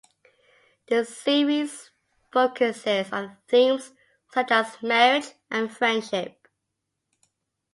The series focuses on themes such as marriage and friendship.